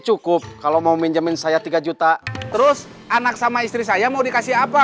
cukup kalau mau minjemin saya tiga juta terus anak sama istri saya mau dikasih apa